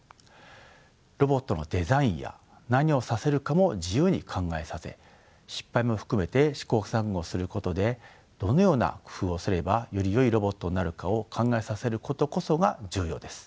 ロボットのデザインや何をさせるかも自由に考えさせ失敗も含めて試行錯誤することでどのような工夫をすればよりよいロボットになるかを考えさせることこそが重要です。